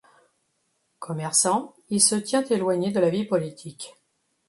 Commerçant, il se tient éloigné de la vie politique.